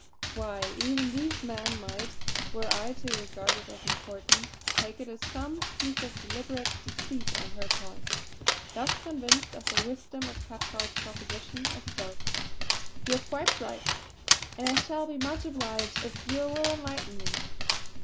Why, even these men might, were I to regard it as important, take it as some piece of deliberate deceit on her part. Thus convinced of the wisdom of Cathcart's proposition I spoke: "You are quite right! and I shall be much obliged if you will if you will enlighten me."